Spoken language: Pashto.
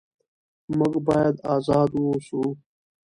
موږ باید ازاد واوسو.